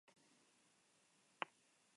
Las flores son de color blanco.